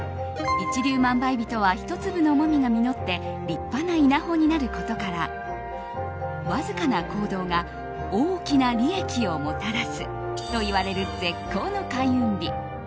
一粒万倍日とはひと粒のモミが実って立派な稲穂になることからわずかな行動が大きな利益をもたらすといわれる絶好の開運日。